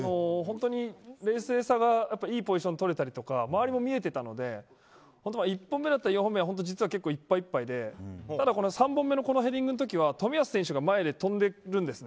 冷静さがいいポジションを取れたりとか周りも見えていたので１本目、４本目はいっぱいいっぱいで３本目の、このヘディングのときは冨安選手が前で跳んでるんですね。